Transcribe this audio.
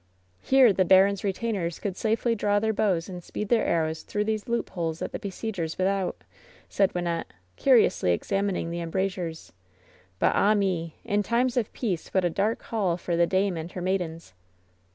"Here the baron's retainers could safely draw their bows and speed their arrows through these loopholes at the besiegers without," said Wynnette, curiously e^e amining the embrasures. ^^But, ah me, in times of peace what a dark hall for the dame and her maidens."